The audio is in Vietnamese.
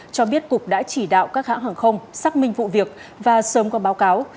cho biết cục đã chỉ đạo các hãng hàng không xác minh vụ việc và sớm có báo cáo